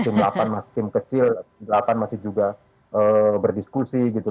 tim delapan masih tim kecil delapan masih juga berdiskusi gitu